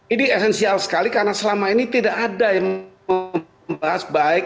ini esensial sekali karena selama ini tidak ada yang membahas baik